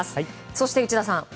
そして内田さん